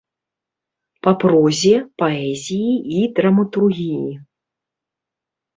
Па прозе, паэзіі і драматургіі.